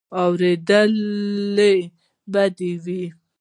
اورېدلې به دې وي.